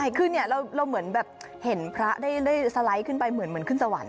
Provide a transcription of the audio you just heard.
ใช่คือเนี่ยเราเหมือนแบบเห็นพระได้สไลด์ขึ้นไปเหมือนขึ้นสวรรค